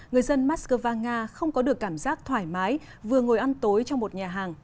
người dân moscow nga không có được cảm giác thoải mái vừa ngồi ăn tối trong một nhà hàng